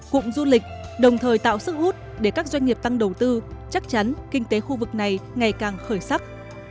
cụm du lịch đồng thời tạo sức hút để các doanh nghiệp tăng đầu tư chắc chắn kinh tế khu vực này ngày càng khởi sắc